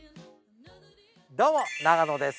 どうも永野です。